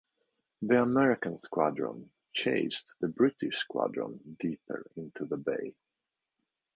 The American squadron chased the British squadron deeper into the bay.